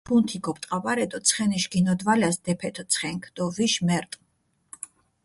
თუნთი გოპტყაბარე დო ცხენიშ გინოდვალას დეფეთჷ ცხენქ დო ვიშ მერტჷ.